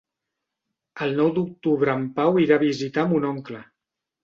El nou d'octubre en Pau irà a visitar mon oncle.